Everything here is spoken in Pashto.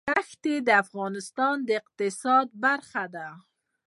دښتې د افغانستان د اقتصاد برخه ده.